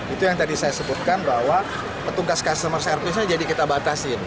itu yang tadi saya sebutkan bahwa petugas customer service nya jadi kita batasin